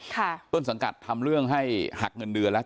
ต้นสังกัดทำเรื่องให้หักเงินเดือนแล้ว